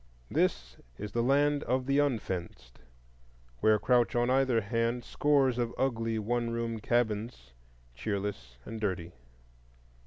This is the Land of the Unfenced, where crouch on either hand scores of ugly one room cabins, cheerless and dirty.